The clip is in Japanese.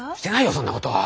そんなことは！